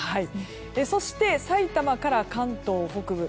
そして、さいたまから関東北部。